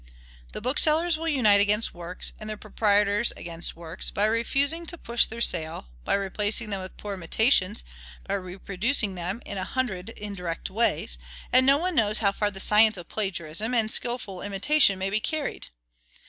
The booksellers will unite against works, and their proprietors. Against works, by refusing to push their sale, by replacing them with poor imitations, by reproducing them in a hundred indirect ways; and no one knows how far the science of plagiarism, and skilful imitation may be carried.